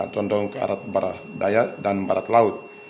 condong ke arah barat daya dan barat laut